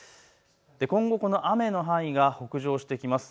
今後、この雨の範囲が北上してきます。